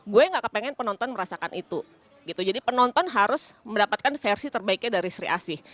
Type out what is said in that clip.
gue gak kepengen penonton merasakan itu jadi penonton harus mendapatkan versi terbaiknya dari sri asih